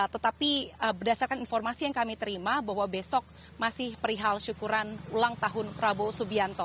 tetapi berdasarkan informasi yang kami terima bahwa besok masih perihal syukuran ulang tahun prabowo subianto